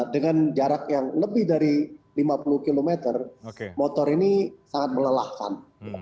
dengan jarak yang lebih dari lima puluh km motor ini sangat melelahkan